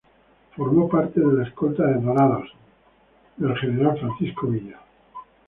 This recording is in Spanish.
Formó parte de la escolta de "Dorados" del general Francisco Villa.